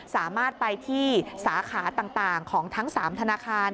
สามารถไปที่สาขาต่างของทั้ง๓ธนาคาร